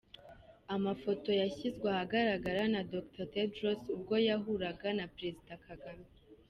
Amaforo yashyizwe ahagaragara na Dr Tedros ubwo yahuraga na Perezida Kagame .